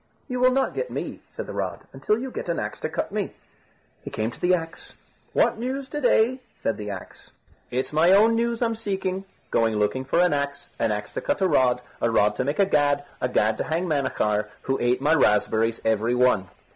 "You will not get me," said the rod, "until you get an axe to cut me." He came to the axe. "What news to day?" said the axe. "It's my own news I'm seeking. Going looking for an axe, an axe to cut a rod, a rod to make a gad, a gad to hang Manachar, who ate my raspberries every one."